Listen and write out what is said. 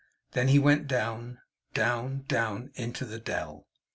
Then he went down, down, down, into the dell.